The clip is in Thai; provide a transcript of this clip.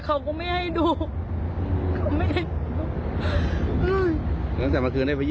ก็บอกว่าแปลนไม่เป็นไร